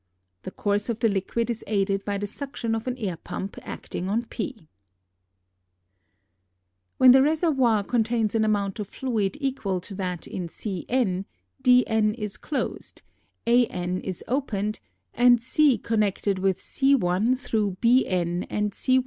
The course of the liquid is aided by the suction of an air pump acting on p. When the reservoir contains an amount of fluid equal to that in C^n, _d_^n is closed, _a_^n is opened, and C connected with C^1 through _b_^n and _c_^1.